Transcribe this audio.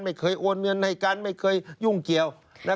โอนเงินให้กันไม่เคยยุ่งเกี่ยว